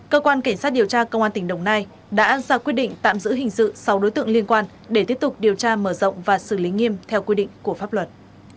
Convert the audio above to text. cơ quan cảnh sát điều tra công an tỉnh đồng nai đã ra quyết định tạm giữ hình sự sáu đối tượng liên quan để tiếp tục điều tra mở rộng và xử lý nghiêm theo quy định của pháp luật